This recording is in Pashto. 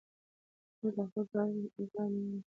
موږ له خپل پلار مننه کوو.